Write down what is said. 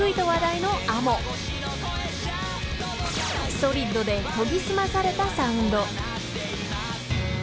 ［ソリッドで研ぎ澄まされたサウンド］